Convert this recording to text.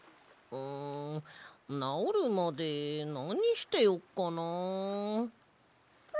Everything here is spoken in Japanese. んなおるまでなにしてよっかな。